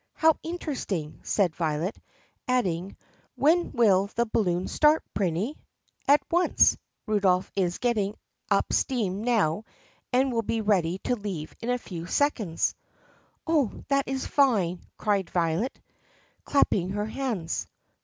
"How interesting," said Violet, adding, "When will the balloon start, Prinny?" "At once. Rudolph is getting up steam now and we 'll be ready to leave in a few seconds." "Oh, that is fine!" cried Violet clapping her hands.